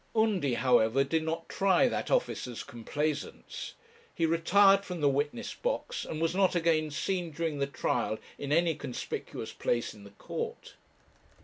Undy, however, did not try that officer's complaisance. He retired from the witness box, and was not again seen during the trial in any conspicuous place in the court.